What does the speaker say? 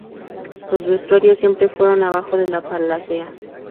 Los vestuarios siempre fueron abajo de la platea.